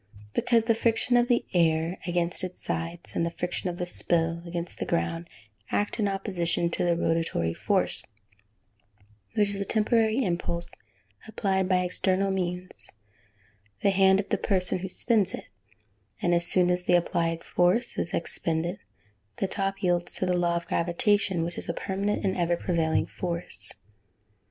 _ Because the friction of the air against its sides, and the friction of the spill against the ground, act in opposition to the rotatory force, which is a temporary impulse applied by external means the hand of the person who spins it and as soon as this applied force is expended, the top yields to the law of gravitation, which is a permanent and ever prevailing force.